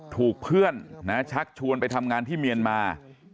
ถูกเพื่อนชักชวนไปทำงานที่เมียนมา